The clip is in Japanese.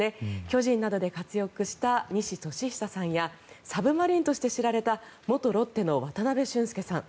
巨人などで活躍した仁志敏久さんやサブマリンとして知られた元ロッテの渡辺俊介さん